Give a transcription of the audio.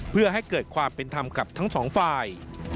เพื่อให้เกิดความเป็นธรรมกับทั้งสองฝ่าย